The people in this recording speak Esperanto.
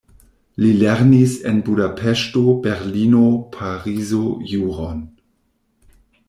Li lernis en Budapeŝto, Berlino, Parizo juron.